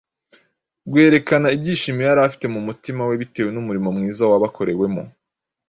rwerekana ibyishimo yari afite mu mutima bitewe n’umurimo mwiza wabakorewemo.